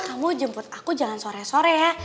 kamu jemput aku jangan sore sore ya